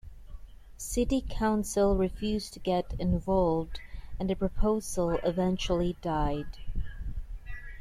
City council refused to get involved and the proposal eventually died.